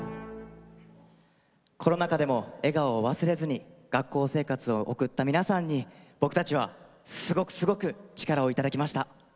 コロナ禍でも笑顔を忘れずに学校生活を送った皆さんに、僕たちも大きな力をいただきました。